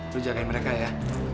lo jagain mereka ya